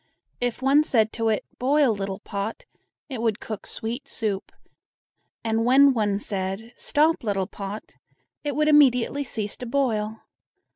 If one said to it, "Boil, little pot!" it would cook sweet soup; and when one said: "Stop, little pot!" it would immediately cease to boil.